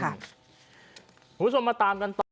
คุณผู้ชมมาตามกันต่อ